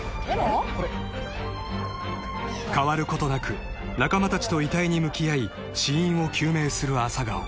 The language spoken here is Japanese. ［変わることなく仲間たちと遺体に向き合い死因を究明する朝顔］